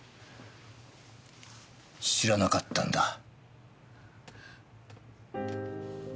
知らなかったんだ？